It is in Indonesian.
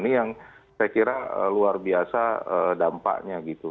ini yang saya kira luar biasa dampaknya gitu